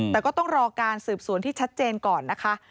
แต่ก็ต้องรอการสืบสวนที่ชัดเจนก่อนนะคะ